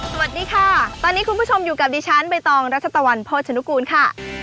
สวัสดีค่ะตอนนี้คุณผู้ชมอยู่กับดิฉันใบตองรัชตะวันโภชนุกูลค่ะ